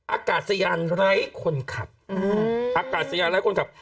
อากาศยานไร้คนขับอากาศยานไร้คนขับ